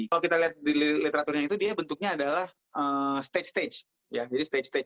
kalau kita lihat di literaturnya itu dia bentuknya adalah stage stage stage